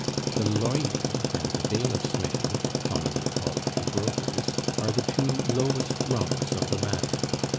The "lawyer" and the bailiff's men (commonly called "the brokers") are the two lowest rungs of the ladder.